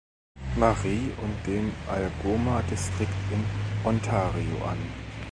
Marie und dem Algoma District in Ontario an.